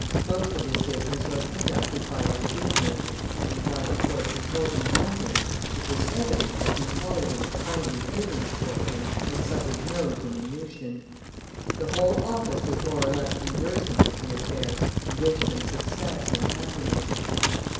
Most of this business was conducted by our junior, and while, of course, he told me nothing, it was evident that Miss Holladay's kindly feelings toward him had suffered no diminution. The whole office was more or less conversant with the affair, and wished him success and happiness.